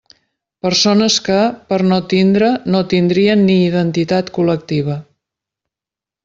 Persones que, per no tindre no tindrien ni identitat col·lectiva.